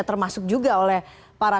termasuk juga oleh para